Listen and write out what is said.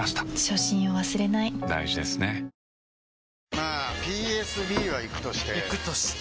まあＰＳＢはイクとしてイクとして？